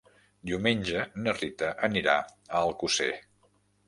Diumenge na Rita anirà a Alcosser.